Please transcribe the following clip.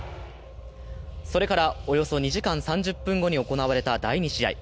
それからおよそ２時間３０分後に行われた第２試合。